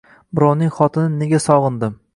Birovning xotinin nega sogʻindim?